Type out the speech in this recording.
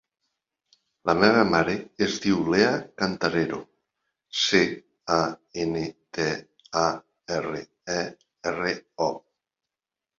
La meva mare es diu Lea Cantarero: ce, a, ena, te, a, erra, e, erra, o.